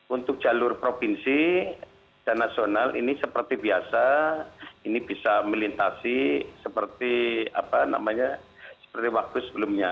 untuk jalur provinsi dan nasional ini seperti biasa ini bisa melintasi seperti waktu sebelumnya